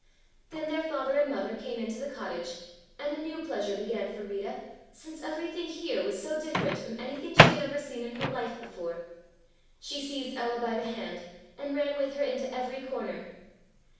Then their father and mother came into the cottage, and a new pleasure began for Rita, since everything here was so different from anything she had ever seen in her life before. She seized Ella by the hand and ran with her into every corner.